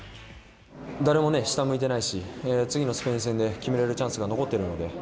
誰も下を向いていないし次のスペイン戦で決めれるチャンスが残っているので。